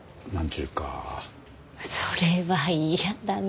それは嫌だな。